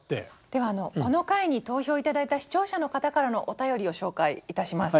ではこの回に投票頂いた視聴者の方からのお便りを紹介いたします。